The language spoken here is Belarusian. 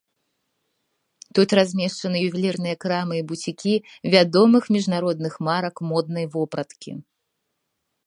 Тут размешчаны ювелірныя крамы і буцікі вядомых міжнародных марак моднай вопраткі.